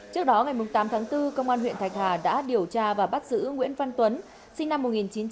trước đó ngày tám tháng bốn công an huyện thạch hà đã điều tra và bắt giữ nguyễn văn tuấn sinh năm một nghìn chín trăm tám mươi